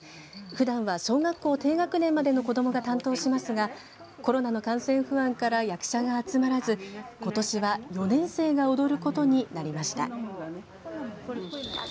ふだんは、小学校低学年までの子どもが担当しますがコロナの感染不安から役者が集まらず今年は４年生が踊ることになりました。